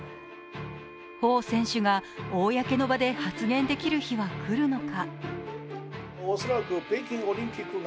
彭選手が公の場で発言できる日は来るのか？